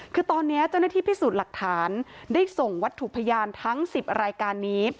คือตอนนี้เจ้าหน้าที่พิสูจน์หลักฐานได้ส่งวัตถุพยานทั้ง๑๐รายการนี้